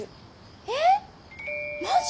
「えっマジ？